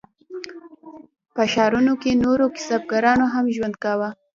په ښارونو کې نورو کسبګرو هم ژوند کاوه.